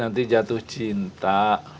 nanti jatuh cinta